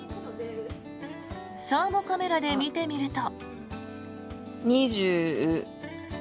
サーモカメラで見てみると。